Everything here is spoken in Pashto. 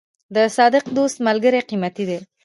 د صادق دوست ملګرتیا قیمتي ده.